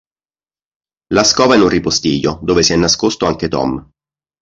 La scova in un ripostiglio, dove si è nascosto anche Tom.